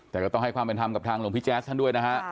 แต่ก็ต้องให้ความเป็นธรรมกับทางหลวงพี่แจ๊สท่านด้วยนะฮะ